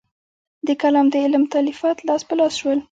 د کلام د علم تالیفات لاس په لاس شول.